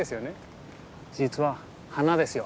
実は花ですよ。